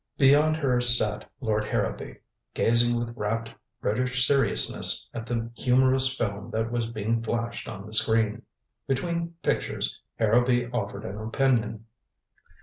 Beyond her sat Lord Harrowby, gazing with rapt British seriousness at the humorous film that was being flashed on the screen. Between pictures Harrowby offered an opinion.